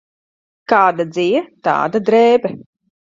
Kāda dzija, tāda drēbe.